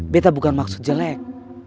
betta bukan maksud jelek